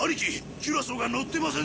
キュラソーが乗ってませんぜ！